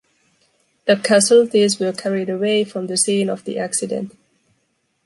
The casualties were carried away from the scene of the accident.